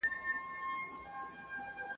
په لاس لیکلنه موخي ته د رسیدو نقشه ده.